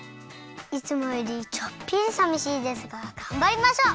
いつもよりちょっぴりさみしいですががんばりましょう！